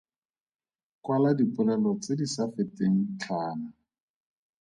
Kwala dipolelo tse di sa feteng tlhano.